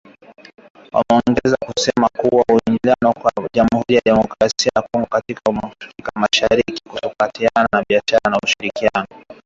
Wameongeza kusema kuwa kuingia kwa Jamhuri ya Kidemokrasia ya Kongo katika Jumuia ya Afrika Mashariki kutapanua biashara na ushirikiano wa kieneo